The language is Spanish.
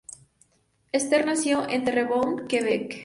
Esther nació en Terrebonne, Quebec.